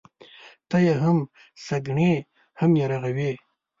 ته يې هم سکڼې ، هم يې رغوې.